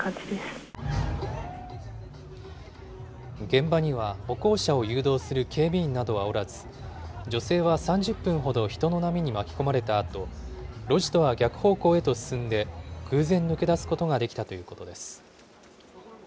現場には、歩行者を誘導する警備員などはおらず、女性は３０分ほど人の波に巻き込まれたあと、路地とは逆方向へと進んで、偶然抜け出すことができたということです。